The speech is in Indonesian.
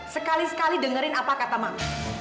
sekali sekali dengerin apa kata mang